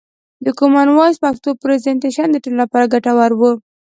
د کومن وایس پښتو پرزنټیشن د ټولو لپاره ګټور و.